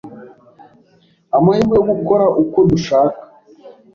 Amahirwe yo gukora uko dushaka,